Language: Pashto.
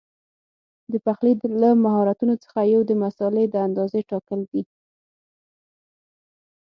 د پخلي له مهارتونو څخه یو د مسالې د اندازې ټاکل دي.